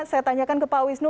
saya tanyakan ke pak wisnu